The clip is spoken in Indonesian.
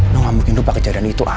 lo gak mungkin lupa kejadian itu al